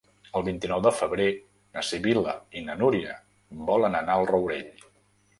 El vint-i-nou de febrer na Sibil·la i na Núria volen anar al Rourell.